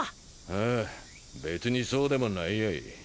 ああ別にそうでもないやい。